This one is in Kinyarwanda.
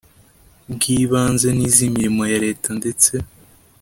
bw ibanze n iz imirimo ya leta ndetse